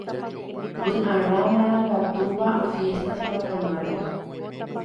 Vyʼarã marangatúva fiestas patronales.